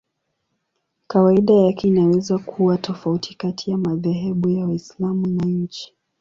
Kawaida yake inaweza kuwa tofauti kati ya madhehebu ya Waislamu na nchi.